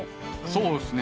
そうっすね。